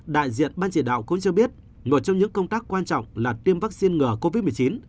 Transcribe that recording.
đại diện ban chỉ đạo cũng cho biết một trong những công tác quan trọng là tiêm vaccine ngừa covid một mươi chín